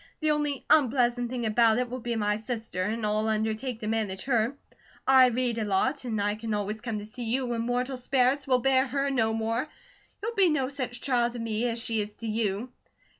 The only unpleasant thing about it will be my sister, and I'll undertake to manage her. I read a lot, an' I can always come to see you when mortal sperrits will bear her no more. She'll be no such trial to me, as she is to you."